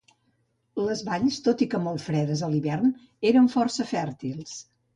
Les valls, tot i que molt fredes a l'hivern, eren força fèrtils.